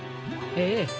ええ。